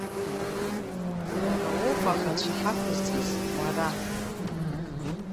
Уара уоуп аӷацәа ҳақәызҵаз, уара!